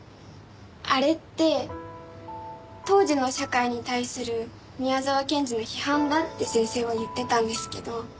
あれって当時の社会に対する宮沢賢治の批判だって先生は言ってたんですけど。